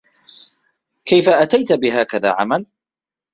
كيف اتيت بهكذا عمل ؟